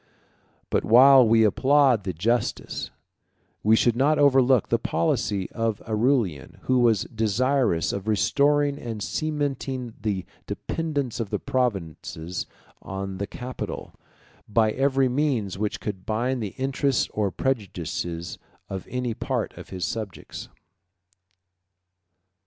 But while we applaud the justice, we should not overlook the policy, of Aurelian, who was desirous of restoring and cementing the dependence of the provinces on the capital, by every means which could bind the interest or prejudices of any part of his subjects.